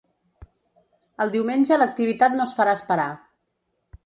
El diumenge l’activitat no es farà esperar.